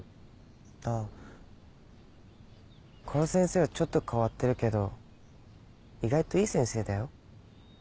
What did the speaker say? ああ殺せんせーはちょっと変わってるけど意外といい先生だよ